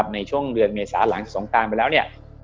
ในช่วงเดือนเมษาหลังสงการไปแล้วเนี่ย